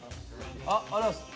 ありがとうございます。